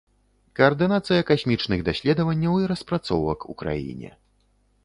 Каардынацыя касмічных даследаванняў і распрацовак у краіне.